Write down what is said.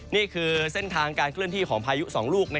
นี่คือเส้นทางการเคลื่อนที่ของพายุ๒ลูก